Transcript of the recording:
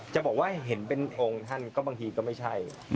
จะบอกว่าเห็นเป็นองค์ท่านก็บางทีก็ไม่ใช่